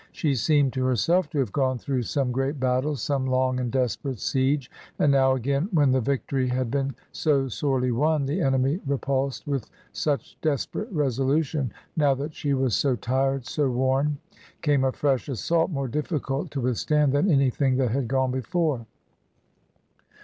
She seemed to herself to have gone through some great battle, some long and desperate siege, and now again, when the victory had been so sorely won, the enemy repulsed with such desperate resolution, now that she was so tired, so worn, came a fresh assault more difficult to withstand than anything that had gone before.